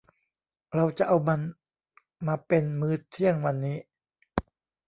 เราจะเอามันมาเป็นมื้อเที่ยงวันนี้